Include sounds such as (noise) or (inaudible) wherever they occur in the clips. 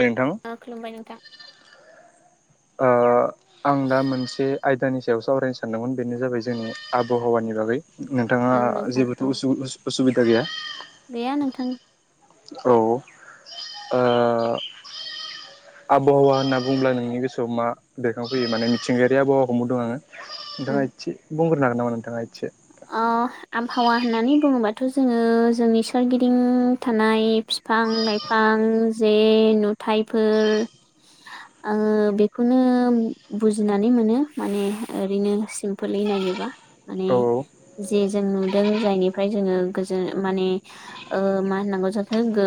नोंथां खुलुमबाय नोंथां। ओ आं दा मोनसे आयदानि सायाव सावरायनो सानदोंमोन बेनो जाबाय जोंनि आबहावानि बागै नोंथाङा औ नोंथां जेबोथ' औ उसुबिदा गैया? गैया नोंथां औ ओ आबहावा होनना बुंब्ला नोंनि गोसोआव मा बेरखांफैयो माने मिथिंगायारि आबहावखौ बुंनदों आङो नोंथाङा उम एसे बुंग्रोनो हागोन नामा नोंथाङा एसे ओ आबहावा होननानै बुङोबाथ' जोङो जोंनि सोरगिदिं थानाय फि फां-लाइफां जे नुथाइफोर आङो बेखौनो बुजिनानै मोनो माने ओरैनो सिम्पोलै नाय बा माने औ जे जों नुदों जायनिफ्राय जोङो गोजोन माने ओ मा होननांगौ जाखो गो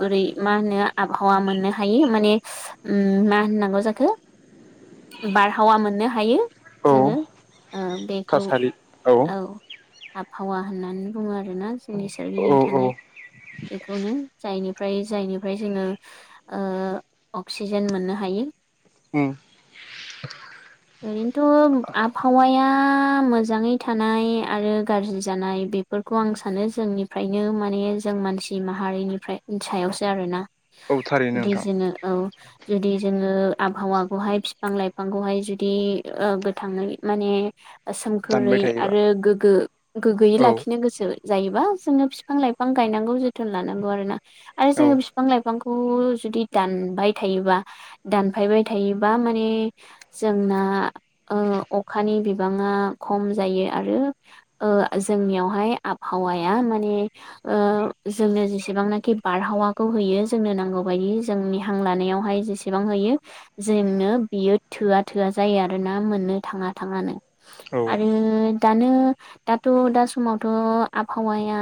गुरै मा होनो आबहावा मोननो हायो माने ओम मा होनो होननांगौ जाखो बारहावा मोननो हायो जोङो ओ बेखौ कसालि औ आबहावा होननानै बुङो आरोना जोंनि औ सोरगिदिं औ थानाय बेखौनो जायनिफ्राय जायनिफ्राय जोङो ओ अक्सिजेन मोननो हायो यो ओम ओरैनोथ' आबहावाया मोजाङै थानाय आरो गाज्रि जानाय बेफोरखौ आं सानो जोंनिफ्रायनो माने जों मानसि माहारिनिफ्राय सायावसो आरोना औ थारैनो जुदि नोंथां जोङो औ जुदि जोङो आबहावाखौहाय बिफां - लाइफांखौहाय जुदि गोथाङै माने दानबाय सोमखोरै थायोबा आरो गोग्गो गोग्गोयै औ लाखिनो गोसो जायोबा जोङो बिफां - लाइफां गायनांगौ जोथोन लानांगौ आरो ना आरो औ जोङो बिफां लाइफांखौ जुदि दानबाय थायोबा दानफायबाय थायोबा माने जोंना ओ अखानि बि बिबाङा खम जायो आरो ओ जोंनियावहाय आबहावाया माने ओ जोंनो जेसेबांनाखि बारहावाखौ होयो जोंनो नांगौबायदि जोंनि हां लानायावहाय जेसेबां होयो जोंनो बियो थोआ- थोआ जायो आरोना मोननो थाङा थाङानो औ आरो दानो दाथ' दा समावथ' आबहावाया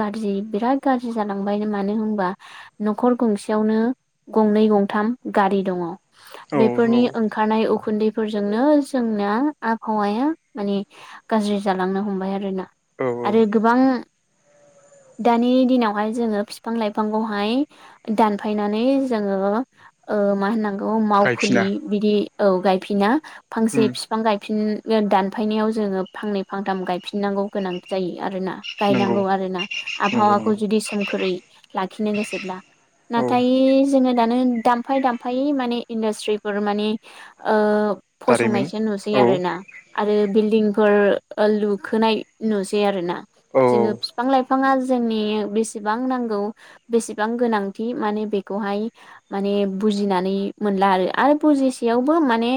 गाज्रि बिराद गाज्रि जालांबाय मानो होनबा न'खर गंसेयावनो गंनै, गंथाम गारि दं औ औ बेफोरनि ओंखारनाय उखुन्दैफोरजोंनो जोंना आब हावाया माने गाज्रि जालांनो हमबाय आरोना औ आरो गोबां (inaudible) दानि दिनावहाय जोङो फिफां-लाइफांखौहाय दानफायनानै जोङो मा होनांगौ मावखुलि गायफिना बिदि औ गायफिना उम फांसे फिफां गाय फिन दानफायनायाव जोङो फांनै, फांथाम गायफिननांगौ गोनां जायो आरोना नंगौ गायनांगौ आरो आरोना नंगौ आबहावाखौ नंगौ जुदि सोमखोरै लाखिनो गोसोब्ला औ नाथाय जोङो दानो दामफाय दामफायै माने इन्डास्ट्रिफोर माने दारिमिन फसंनायसो नुसै औ आरोना आरो बिल्दिंफोर लुखोनाय नुसै आरोना औ जोङो बिफां - लाइफाङा जोंनि बेसेबां नांगौ बेसेबां गोनांथि माने बेखौ हाय माने बुजिनानै मोनला आरो बुसेयावबो माने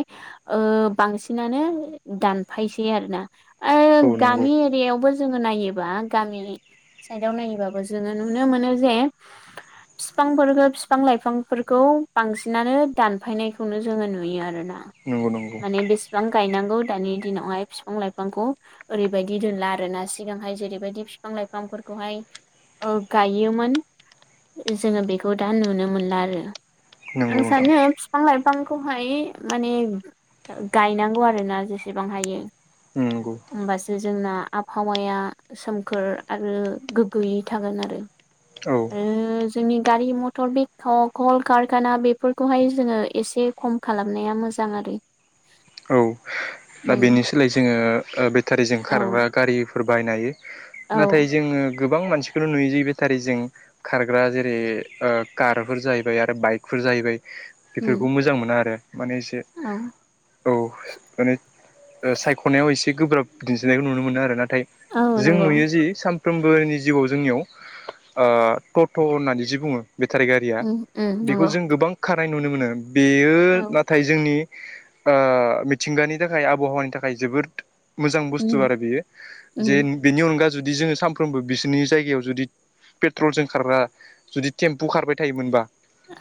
ओ बांसि सिनानो दानफायसै आरोना ओ औ नंगौ गामि एरियायावबो जोङो नायोबा गा मि साइदाव नायोबाबो जोङो नुनो मोनो जे बिफांफोरखौ बिफां- लाइफांफोरखौ बांसिनानो दानफायनायखौनो जोङो नुयो आरोना नंगौ नंगौ बिफां गायनांगौ दानि दिनावहाय बिफां- लाइफांखौ ओरैबायदि दोनला आरो ना सिगांहाय जेरैबायदि बिफां- लाइफांफोरखौहाय गायोमोन जोङो बेखौ दा नुनो मोनला आरो नंगौ आं नोंथां सानो बिफां- लाइफांखौहाय माने गायनांगौ आरोना जेसेबां हायो नंगौ होमबासो जोंना आबहावाया सोमखोर आरो गोग्गोयै थागोन आरो औ ओ जोंनि गारि मथर बे कल कारखाना बेफोरखौहाय जोङो एसे खम खालामनाया मोजां आरो। औ दा उम बेनि सोलाय जोङो ओ बेटारिजों औ खारग्रा गारिफोर बायनो हायो। नाथाय औ जोङो गोबां मानसिखौल' नुयो जि बेटारि जों खारग्रा जेरै ओ कारफोर जाहैबाय आरो बाइकफोर जाहैबाय उम बेफोरखौ मोजां मोना आरो माने एसे औ औ माने ओ सायख'नायाव एसे गोब्राब दिन्थिनायखौ नुनो मोनो आरो नाथाय औ जों नंगौ नुयो जि साम फ्रोमबोनि जिउआव जोंनियाव ओ ट'ट' होननानै जि बुङो बेटारि गारिया उम उम बेखौ नंगौ जों गोबां खारनाय नुनो मोनो बेयो औ नाथाय जोंनि ओ मिथिंगानि थाखाय आबहावानि थाखाय जोबोद मोजां बुस्थु उम आरो बेयो उम जे बेनि अनगा जुदि जोङो सामफ्रोमबो बिसिनि जायगायाव जुदि पेट्रलजों खारग्रा जुदि टेम्पु खारबाय थायोमोनबा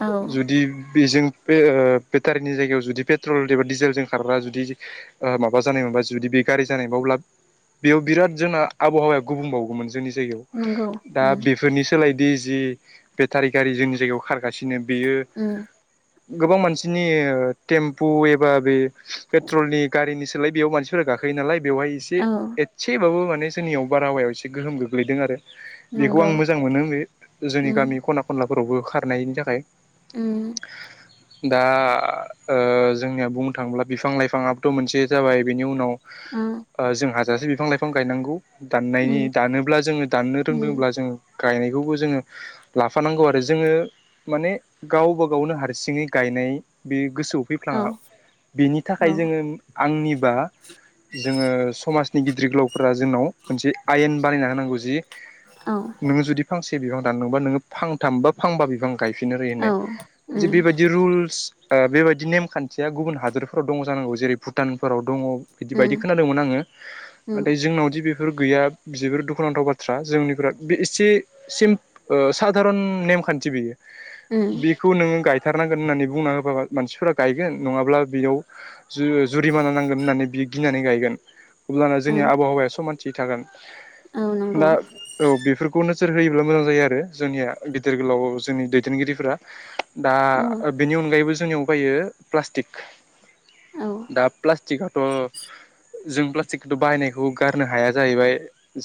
औ जुदि बेजों बे ओ बेटारिनि जायगायाव जुदि पेट्रल एबा दिजेलजों खारग्रा जुदि ओ माबा जानाय मोनबा जुदि बे गारि जानाय मोनबा अब्ला बेयाव बिराद जोंना आबहावाया गुबुंबावगौमोन जोंनि जायगायाव नंगौ दा उम बेफोरनि सोलायदि जि बेटारि गारि जोंनि जायगायाव खार गासिनो बेयो उम गोबां मानसिनि ओ टेम्पु एबा बे ट्रलनि गारिनि सोलाय बेयाव मानसिफोरा गाखोयो नालाय बेवहाय एसे औ एसेबाबो मान ने जोंनियाव बारहावायाव एसे गोहोम गोग्लैदों आरो। बेखौ आं नंगौ मोजां मोनो बे जोंनि उम गामि खना खनलाफोरावबो खारनायनि थाखाय। उम। दा ओ जोंनिया बुंनो थाङोब्ला बिफां लाइफाङाबोथ' मोनसे जाबाय बेनि उनाव औ ओ जों हाजासे बिफां लाइफां गायनांगौ दाननायनि उम दानोब्ला जोङो दाननो उम रोंदोंब्ला जोङो गायनायखौबो जोङो लाफानांगौ आरो जोङो माने गावबा गावनो हारसिङै गाय नाय बे गोसोआव औ फैफ्लाङा बेनि औ थाखाय जोङो आंनिबा जोङो समाजनि गिदिर गोलावफोरा जोंनाव मोनसे आयेन बानायना होनांगौ जि औ नोङो जुदि फांसे बिफां दानदोंबा नोङो फांथाम बा फांबा बिफां गायफिननो रोयो औ होननाय जे उम बेबायदि रुल्स ओ बेबायदि नेमखान्थिया गुबुन हादरफ्राव दङ जानांगौ जेरै भुटानफोराव दङ बिदि बायदि उम खोनादोंमोन आङो उम नाथाय जोंनावदि बे फोर गैया जोबोर दुखुनांथाव बाथ्रा जोंनिफ्रा बे एसे सिन ओ सादारन नेम मावखान्थि बियो। उम बेखौ नोङो गायथारनांगोन होननानै बुंना होबाबा मानसिफोरा गायगोन नङाब्ला बेयाव जु-जुरिमाना नांगोन होननानै बि गिनानै गायगोन अब्लाना औ जोंनि आबहावाया समानथि थि थागोन औ नंगौ दा औ बेफोरखौनो सोर होयोब्ला मोजां जायो आरो जोंनिया गिदिर गोलाव जोंनि दैदेनगिरिफोरा। दा औ ओ बेनि अनगायैबो जोंनियाव फैयो प्लास्टिक औ दा प्लास्टिकआथ' जों प्लास्टिकखौथ' बायनायखौ गारनो हाया जाहैबाय।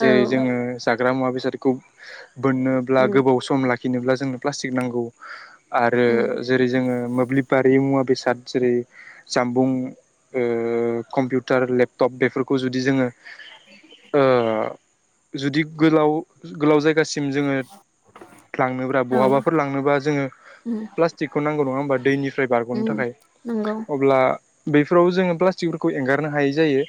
औ जोङो जाग्रा मुवा बेसादखौ बोननोब्ला उम गोबाव सम ला खिनोब्ला जोंनो प्लास्टिक नांगौ आरो उम जेरै जोङो मोब्लिब बा बे मुवा बेसाद जेरै जामबुं ओ कम्पिउटार लेपटप बेफोर खौ जुदि जोङो ओ जुदि गोलाव गोलाव जायगासिम जोङो लांनोब्रा औ बहाबाफोर लांनोबा जोङो उम प्लास्टिकखौ नांगौ नङा होमबा दैनिफ्राय बारग'नो उम थाखाय। नंगौ आ बेफोराव जोङो प्लास्टिकफोरखौ एंगारनो हायै जायो।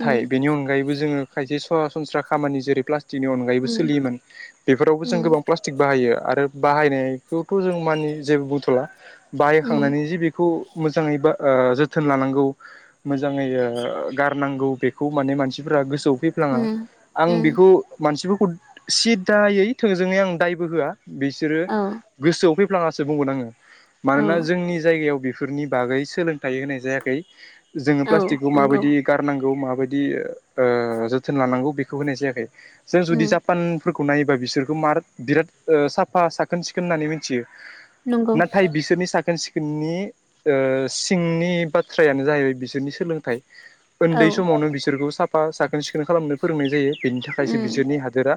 उम बेनि अनगायैबो जोङो खायसे सरासनस्रा खामानि जेरै प्लास्टिकनि अनगायैबो उम सोलियोमोन बेफोरावबो जों उम गोबां प्लास्टिक बाहायो आरो बाहायनायखौथ' जों मानि जेबो बुंथ'ला उम बाहायखांनानै जि बेखौ मोज बा ओ जोथोन लानांगौ मोजाङै ओ गारनांगौ बेखौ माने मानसिफ्रा गोस सोयाव फैफ्लाङा उम आं उम बेखौ मानसिफोरखौ सिददायै थोंजोङै आं दायबो होआ। बिसोरो औ गोसोआव फैफ्लाङासो बुंगोन आङो औ मानोना जोंनि जायगायाव बेफोरनि बागै सोलोंथाइ होनाय जायाखै जोङो औ प्लास्टिकखौ नंगौ माबायदि गारनांगौ म दि जोथोन लानांगौ बेखौ होनाय जायाखै जों उम जुदि जापान फोरखौ नायोबा बिसोरखौ मार बिराद साफा साखोन सिखोन होन्नानै मिथियो नंगौ नाथाय बिसोरनि साखोन सिखोननि सिंनि बाथ्रायानो जाहैबाय बिसोरनि सोलोंथाइ उन्दै औ समावनो बिसोरखौ साफ साफा साखोन सिखोन खालामनो फोरोंनाय जायो बेनि थाखायसो उम बिसोरनि हादोरा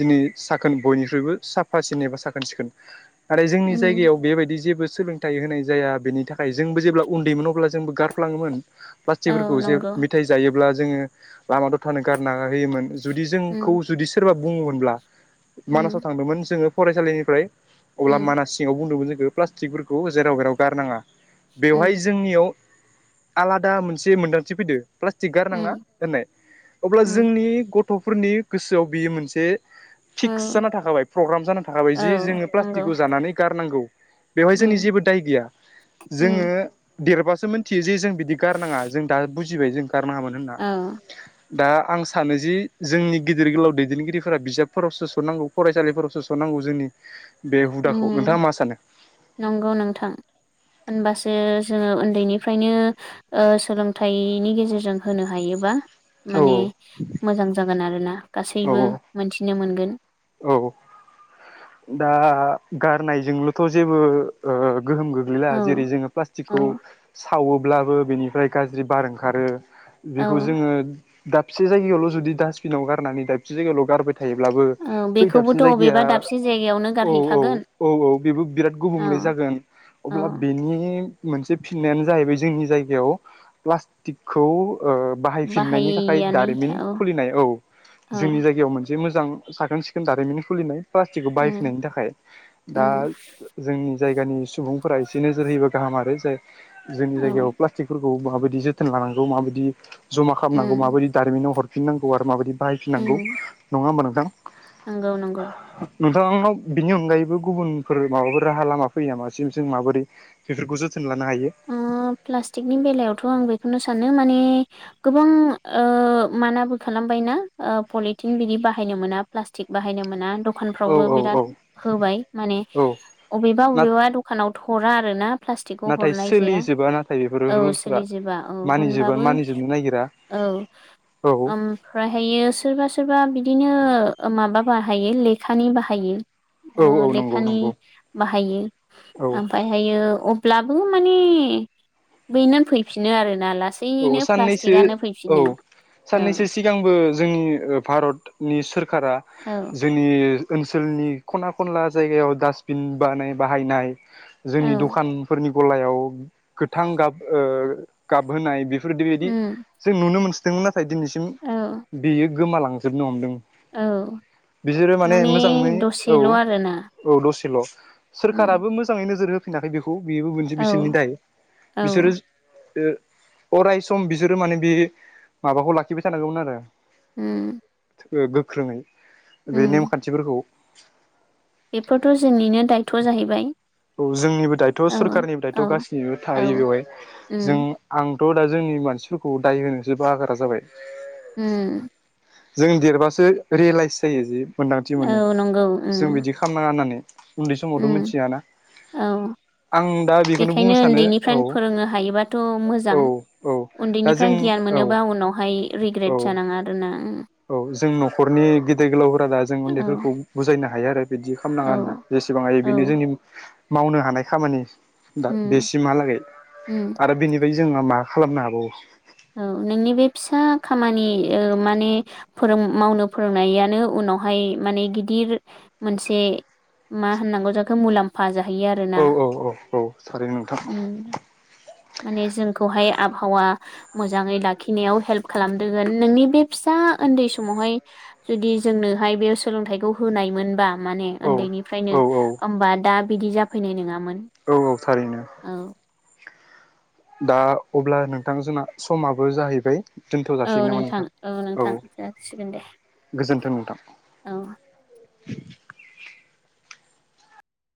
दिनै साखोन बयनिख्रुइबो साफा सिन एबा साखोन सिखोन आरो जोंनि उम जायगायाव बेबायदि जेबो सोलोंथाइ होनाय जाया बेनि थाखाय जोंबो जेब्ला उन्दैमोन अब्ला जोंबो गारफ्लाङोमोन औ प्लास्टिकफोरखौ नंगौ जोङो लामाथ' थानो गारना होयोमोन जुदि जोंखौ उम जुदि सोरबा बुङोमोनब्ला मानासाव उम थांदोंमोन जोङो फरायसालिनिफ्राय अब्ला उम मानास सिङाव बुंदोंमोन जोंखौो प्लास्टिकफोरखौ जेराव जेराव गारनाङा बेवहाय उम जोंनियाव आलादा मोनसे मोन्दांथि फैदो प्लास्टिक गारनाङा उम होननाय अब्ला उम जोंनि गथ'फोरनि गोसोआव बियो मोनसे औ फिक्स जाना थाखाबाय प्रग्राम जाना थाखाबाय औ जे जोङो नंगौ प्लास्टिकखौ जानानै गारनांगौ बेवहाय जोंनि उम जेबो दाय गैया जोङो उम देरबासो मिथियो जे जों बिदि गारनाङा जों दा बुजिबाय जों गारना हामोन होनना औ दा आं सानो जि जोंनि गिदिर गोलाव दैदेनगिरिफोरा बिजाबफोरावसोस'नांगौ फरायसालिफोरावसो सनांगौ नि बे हुदाखौ उम नोंथाङा मा सानो नंगौ नोंथां होनबासो जोङो उन्दैनिफ्रायनो सोलोंथाइनि गेजेरजों होनो हायोबा औ माने मोजां जागोन आरोना औ गासैबो मोनथिनो मोनगोन औ दा गारनायजोंल'थ' जेबो गोहोम गोग्लैला औ जेरै जोङो प्लास्टिकखौ औ सावोब्लाबो बेनिफ्राय गाज्रि बार ओंखारो औ बेखौ जोङो दाबसे जायगायावल' जुदि डास्टबिनाव गारनानै दाबसे जायगायावल' गारबाय थायोब्लाबो औ फै बेखौबोथ' दाबसेन अबेबा जायगाया दाबसे जायगायावनो औ औ गारहैखागोन औ औ बेबो बिराद गुबुंले औ जागोन औ अब्ला बेनि मोनसे फिननायानो जाहैबाय जोंनि जायगायाव प्लास्टिकखौ बाहायफिननायनि थाखाय बाहायैआनो दारिमिन औ खुलिनाय औ औ जोंनि जायगायाव मोनसे मोजां साखोन सिखोन दारिमिन खुलिनाय फार्स्ट खौ उम बायफिननायनि थाखाय दा उम जोंनि जायानि सुबुंफोरा एसे नोजोर होयो गाहाम आरो जाय जोंनि औ जायगायाव माबाददि जोथोन लानांगौ माबायदि जमा खालामनांगौ उम माबायदि दारिमिनाव हरफिनांगौ आरो माबायदि बाहायफिननांगौ उम नङा होमबा नोंथां नंगौ नंगौ नोंथांनाव बिनि अनगायैबो गुबुनफोर माबाफोर राहा लामा फैया मासिम जों माबोरै बेफोरखौ जो प्लास्टिकनि बेलायावथ' आं बेखौनो सानो मान गोबां माबो खालामबायना पलिटिन बिदि बाहायनो मोन मोना प्लास्टिक बाहायनो मोना औ दखानफ्रावबो औ बिराद औ होबाय माने औ अबेबा अबेबा दखानाव हरा आरो ना प्लास्टिकखौ नाथाय हरनाय जाया सोलिजोबा नाथाय बेफोरो औ रुुलफ्रा सोलिजोबा औ मानिजोबा होनबाबो मानिजोबनो नागिरा औ औ ओमफ्रायहायो सोरबा सोरबा बिदिनो माबा बाहायो लेखानि बाहायो औ औ नंगौ लेखानि नंगौ बाहायो औ ओमफ्रायहायो अब्लाबो माने बनानै फैफिनो आरो औ साननैसो औ औ साननैसो सिगांबो जोंनि भारतनि सोरखारा औ जोंनि ओनसोलनि खना खनला जायगायाव डास्टबिन बानाय बाहायनाय जोंनि औ दखानफोरनि गलायाव गोथां गाब ओ गाबहोनाय बेफोरदिबायदि उम जों नुनो मोनसोदोंमोन नाथाय दिनैसिम औ बेयो गोमालांजोबनो हमदों औ बिसोरो माने मोजाङै औ दसेल' आरोना औ दसे उम सोरखाराबो मोजाङै नोजोर होफैनाखै बेखौ खौ बेबो मोनसै औ बिसोरनि दायो बिसोरो‌ औ अराय सम बिसोरो माने बे माबाखौ लाखिबाय थानांगौमोन आरो उम गोख्रोङै उम बे नेमखान्थिफोरखौ बेफोरथ' जोंनिनो दायथ'आ जाहैबाय औ जोंनिबो दायथ' औ सरखारारनिबो दायथ' औ गाससिनिबो थायो औ बेवहाय जों उम आं थ' दा जोंनि मानसिफोरखौ दाय होनोसो बाहागारा जाबाय उम जों देरबासो रियेलाइस जायो जे मोन्दांथि मोनो औ नंगौ उम जों बिदि खालामनाङा होननानै उन्दै समावथ' उम मिथियाना औ आं दा बेखौनो बुंनो बेखायनो सानो औ उन्दैनिफ्रायनो फोरोंनो हायोबाथ' औ मोजां औ दा जों उन्दैनिफ्रायनो गियान औ मोनोबा उनावहाय रिग्रेट औ जानाङा आरोना उम औ जों न'खरनि गिदेर गोलावफोरा दा जों औ उन्दैफोरखौ बुजायनो हायो आरो बिदि खालामनाङा आरोना औ जेसेबां हायो औ बेनो जोंनि मावनो हानाय खामानि दा उम बेसिमहालागै उम आरो बेनिफ्राय जोङो मा खालामनो हाबावो औ नोंनि बे फिसा खामानि ओ माने फोरों मावनो फोरोंनायानो उन उनाव हाय माने गिदिर मोनसे मा होननांगौ जाखो मुलाम्फा हायो आरोना औ औ औ थारैनो नोंथां माने जोंखौहाय आबहावा मोजाङै लाखिनायाव हेल्प खालामदोंगोन नोंनि बे फिसा उन्दै समावहाय जुदि जोंनो बेहाय बे सोलोंथाइखौ होनाय मोनबा माने औ उन्दैनिफ्रायनो औ होमबा दा बिदि जाफैनाय नङामोन औ औ थारैनो औ दा अब्ला नोंथां जोंना समाबो जाहैबाय दोनथ' औ जासिगोन नामा नोंथां औ नोंथां जासिगोन दे गोजोन्थों नोंथां औ